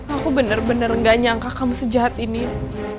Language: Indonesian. aku bener bener gak nyangka kamu sejahat ini ya